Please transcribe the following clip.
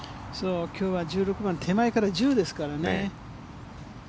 今日は１６番手前から１０ですからね。